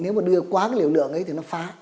nếu mà đưa quá cái liều lượng ấy thì nó phá